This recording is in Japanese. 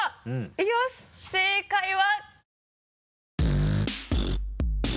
いきます正解は。